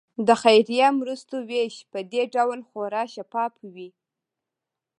د خیریه مرستو ویش په دې ډول خورا شفاف وي.